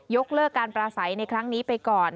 เลิกการปราศัยในครั้งนี้ไปก่อน